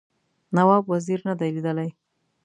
نواب وزیر نه دی لیدلی.